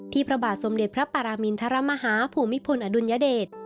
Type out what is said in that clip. พระบาทสมเด็จพระปรมินทรมาฮาภูมิพลอดุลยเดช